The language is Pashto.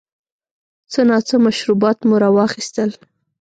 څه ناڅه مشروبات مو را واخیستل.